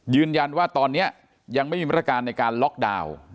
ยืนยันว่าตอนนี้ยังไม่มีมาตรการในการล็อกดาวน์